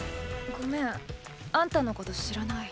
ごめんあんたのこと知らない。